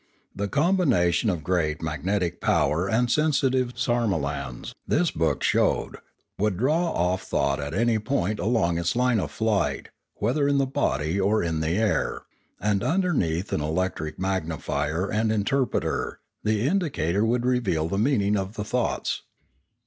The combi nation of great magnetic power and sensitive sarmolans, this book showed, would draw off thought at any point along its line of flight whether in the body or in the air; and underneath an electric magnifier and inter preter the indicator would reveal the meaning of the thoughts.